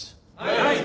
はい。